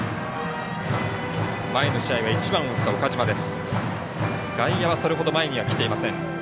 前の試合は１番を打った岡島です。